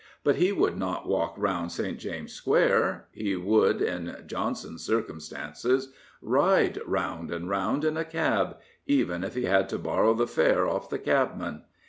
But he would not walk round St. James' Square. He would, in Johnson's circumstances, ride round and round in a cab — even if he had to borrow the fare off the cabman.